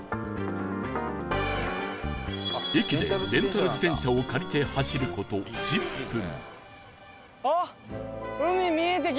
駅でレンタル自転車を借りて走る事１０分